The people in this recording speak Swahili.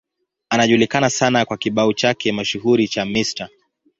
Anajulikana sana kwa kibao chake mashuhuri cha Mr.